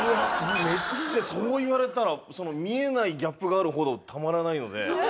めっちゃそう言われたら見えないギャップがあるほどたまらないので。